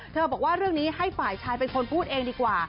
บอกว่าเรื่องนี้ให้ฝ่ายชายเป็นคนพูดเองดีกว่า